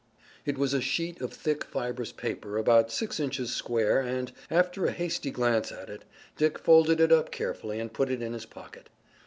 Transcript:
It was a sheet of thick fibrous paper about six inches square and, after a hasty glance at it, Dick folded it up carefully and put it in his pocket.